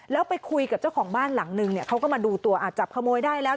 แล้วไปคุยกับเจ้าของบ้านหลังนึงเนี่ยเขาก็มาดูตัวจับขโมยได้แล้ว